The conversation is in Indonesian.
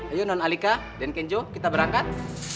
ayo non alika dan kenjo kita berangkat